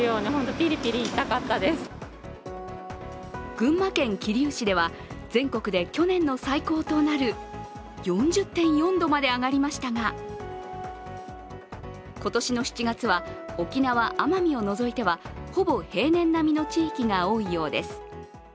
群馬県桐生市では全国で去年の最高となる４０．４度まで上がりましたが今年の７月は沖縄・奄美を除いてはほぼ平年並みの地域が多いようです。